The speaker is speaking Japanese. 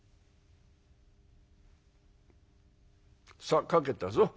「さあ描けたぞ。